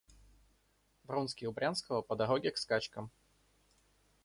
Вронский у Брянского по дороге к скачкам.